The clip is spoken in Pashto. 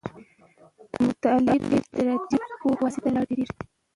د مطالعې د استراتيژۍ په واسطه پوهه لا بدیږي.